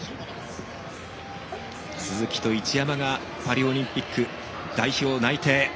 鈴木と一山がパリオリンピック代表内定。